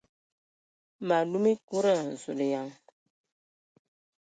Mə lum wa ekuda ! Zulǝyan!